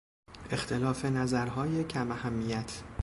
اختلاف نظرهای کم اهمیت